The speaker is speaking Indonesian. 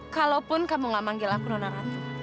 kalaupun kamu gak manggil aku nono ratu